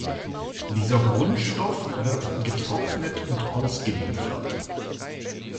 Dieser Grundstoff wird getrocknet und ausgeliefert.